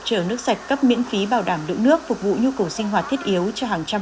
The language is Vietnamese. chở nước sạch cấp miễn phí bảo đảm lượng nước phục vụ nhu cầu sinh hoạt thiết yếu cho hàng trăm